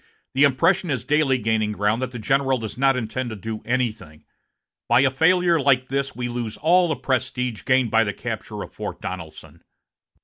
The impression is daily gaining ground that the general does not intend to do anything. By a failure like this we lose all the prestige gained by the capture of Fort Donelson."